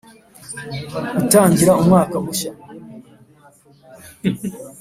Gutangira umwaka mushya